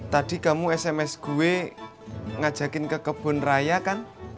tadi kamu sms gue ngajakin ke kebun raya kan